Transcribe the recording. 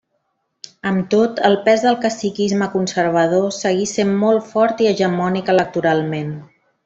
Amb tot, el pes del caciquisme conservador seguí sent molt fort i hegemònic electoralment.